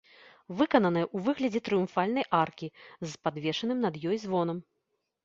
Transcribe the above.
Выкананая ў выглядзе трыумфальнай аркі з падвешаным над ёй звонам.